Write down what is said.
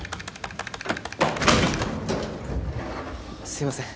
すいません。